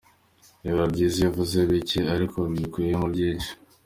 Biba byiza iyo uvuze bike, ariko bikubiyemo byinshi.